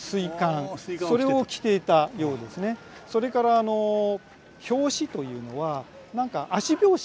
それから「拍子」というのは何か足拍子。